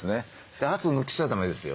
圧抜いちゃ駄目ですよ。